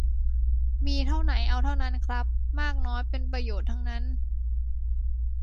มีเท่าไหนเอาเท่านั้นครับ มากน้อยเป็นประโยชน์ทั้งนั้น